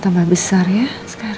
tambah besar ya sekarang